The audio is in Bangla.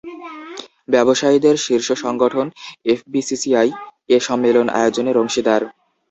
ব্যবসায়ীদের শীর্ষ সংগঠন এফবিসিসিআই এ সম্মেলন আয়োজনের অংশীদার।